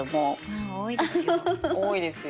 まあ多いですよ。